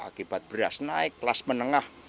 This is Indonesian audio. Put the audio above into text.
akibat beras naik kelas menengah